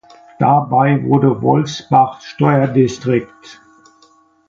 Dabei wurde Wolfsbach Steuerdistrikt.